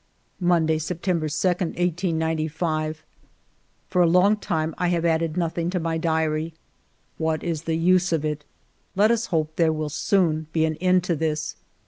Monday^ September 2, 1895. For a long time I have added nothing to my diary. What is the use of it? Let us hope there will soon be an end to this.